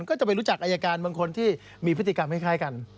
ก็จะไปรู้จักอายการบางคนที่มีพฤติกรรมคล้ายกัน